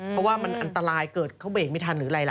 เพราะว่ามันอันตรายเกิดเขาเบรกไม่ทันหรืออะไรล่ะ